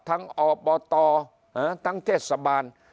ทั้งอปตทั้งเทศบาล